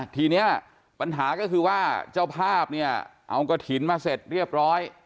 ทีนี้ปัญหาก็คือว่าเจ้าภาพเนี่ยเอากระถิ่นมาเสร็จเรียบร้อย